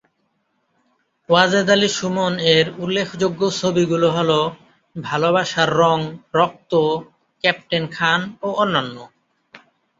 ওয়াজেদ আলী সুমন এর উল্লেখ্যযোগ্য ছবিগুলো হল ভালোবাসার রঙ, রক্ত, ক্যাপ্টেন খান ও অন্যান্য।